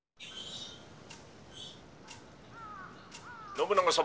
「信長様